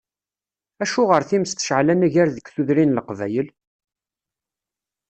Acuɣer times tecεel anagar deg tudrin n Leqbayel?